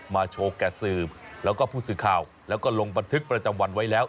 โชว์แก่สืบแล้วก็ผู้สื่อข่าวแล้วก็ลงบันทึกประจำวันไว้แล้ว